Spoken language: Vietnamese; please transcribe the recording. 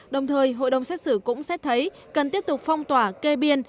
đồng thời hội đồng xét xử cũng xét thấy cần tiếp tục phong tỏa kê biên